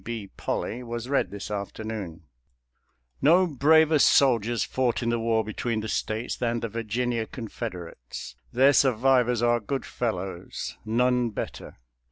B. Polley was read this afternoon: No braver soldiers fought in the war between the States than the Virginia Confederates; their survivors are good fellows — none better.